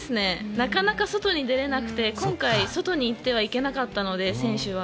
なかなか外に出れなくて今回外に行ってはいけなかったので選手は。